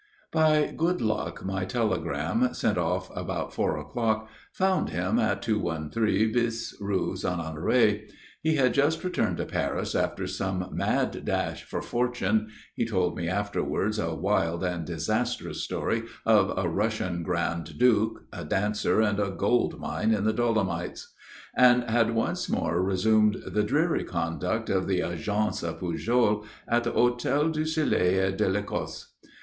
By good luck my telegram, sent off about four o'clock, found him at 213 bis Rue Saint Honoré. He had just returned to Paris after some mad dash for fortune (he told me afterwards a wild and disastrous story of a Russian Grand Duke, a Dancer and a gold mine in the Dolomites) and had once more resumed the dreary conduct of the Agence Pujol at the Hôtel du Soleil et de l'Ecosse.